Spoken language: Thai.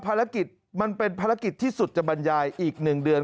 ภารกิจมันเป็นภารกิจที่สุดจะบรรยายอีก๑เดือน